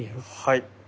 はい。